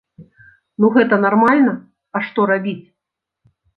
Ну гэта нармальна, а што рабіць?